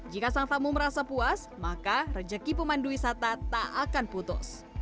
jika sang tamu merasa puas maka rezeki pemandu wisata tak akan putus